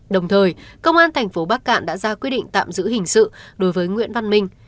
đồng thời công an thành phố bắc cạn đã ra quyết định tạm giữ hình sự đối với nguyễn văn minh